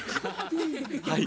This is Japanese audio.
はい。